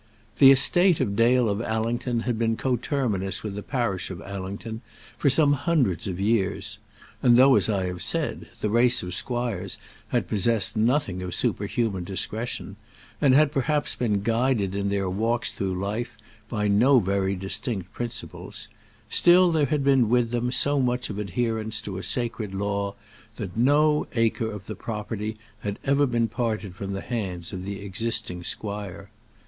The estate of Dale of Allington had been coterminous with the parish of Allington for some hundreds of years; and though, as I have said, the race of squires had possessed nothing of superhuman discretion, and had perhaps been guided in their walks through life by no very distinct principles, still there had been with them so much of adherence to a sacred law, that no acre of the property had ever been parted from the hands of the existing squire.